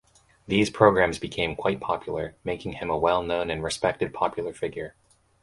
These programs became quite popular, making him a well known and respected popular figure.